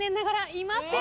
いません。